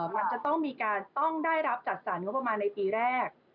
มันจะต้องมีการต้องได้รับจัดสรรงบประมาณในปีแรก